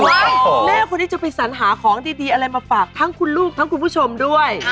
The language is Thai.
แม่คนนี้จะไปสัญหาของดีอะไรมาฝากทั้งคุณลูกทั้งคุณผู้ชมด้วย